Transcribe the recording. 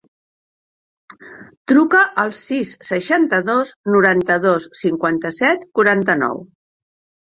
Truca al sis, seixanta-dos, noranta-dos, cinquanta-set, quaranta-nou.